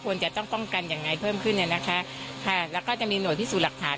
ควรจะต้องป้องกันยังไงเพิ่มขึ้นเนี่ยนะคะค่ะแล้วก็จะมีหน่วยพิสูจน์หลักฐาน